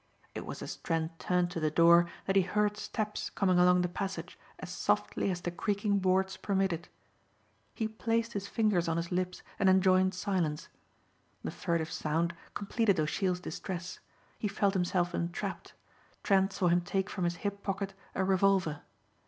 It was as Trent turned to the door that he heard steps coming along the passage as softly as the creaking boards permitted. He placed his fingers on his lips and enjoined silence. The furtive sound completed O'Sheill's distress. He felt himself entrapped. Trent saw him take from his hip pocket a revolver.